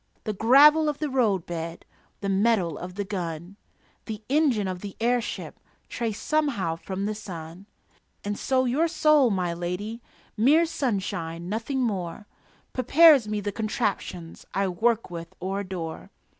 The gravel of the roadbed, The metal of the gun, The engine of the airship Trace somehow from the sun. And so your soul, my lady (Mere sunshine, nothing more) Prepares me the contraptions I work with or adore.